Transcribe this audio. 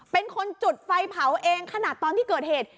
เป็นคนจุดไฟเผาเองขนาดตอนที่เกิดเหตุ